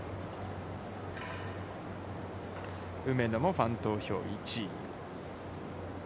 梅野もファン投票１位。